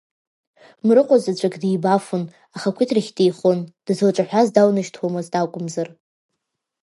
Мрыҟәа заҵәык деибафон, ахақәиҭрахь деихон, дызлаҿаҳәаз даунажьуамызт акәымзар.